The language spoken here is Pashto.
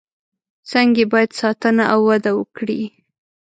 څنګه یې باید ساتنه او وده وکړي.